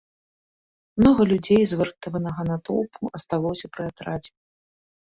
Многа людзей з выратаванага натоўпу асталося пры атрадзе.